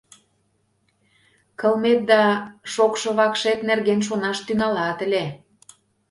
Кылмет да шокшо вакшет нерген шонаш тӱҥалат ыле.